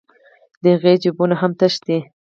د هغې جېبونه هم تش دي